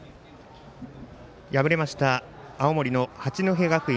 敗れました青森の八戸学院